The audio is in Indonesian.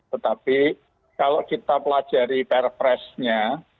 tetapi kalau kita pelajari pr press nya